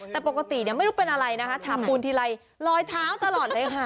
แต่ปกติไม่รู้เป็นอะไรนะคะฉาบปูนทีไรลอยเท้าตลอดเลยค่ะ